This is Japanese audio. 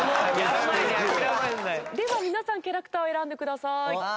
では皆さんキャラクターを選んでください。